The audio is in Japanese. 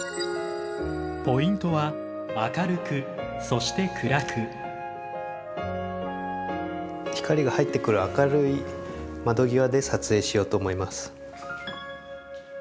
ポイントは光が入ってくる明るい窓際で撮影しようと思います。